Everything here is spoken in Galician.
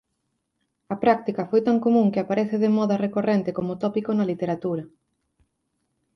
A práctica foi tan común que aparece de moda recorrente como tópico na literatura.